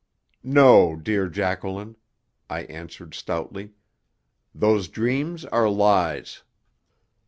"No, dear Jacqueline," I answered stoutly. "Those dreams are lies."